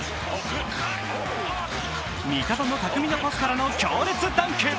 味方の巧みなパスからの強烈ダンク。